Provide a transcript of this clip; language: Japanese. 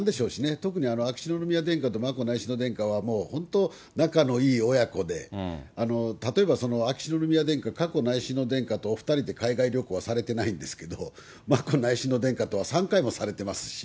特に秋篠宮殿下と眞子内親王殿下は、本当、仲のいい親子で、例えば秋篠宮殿下、佳子内親王殿下とお２人で海外旅行はされてないんですけど、まこないしんのうでんかとは３回もされてますし。